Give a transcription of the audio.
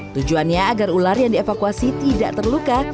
tujuannya agar ular yang dievakuasi tidak terluka